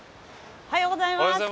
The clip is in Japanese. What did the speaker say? おはようございます。